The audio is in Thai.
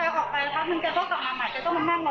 แล้วก็มาฟังของบ่ายฟังเราก่อน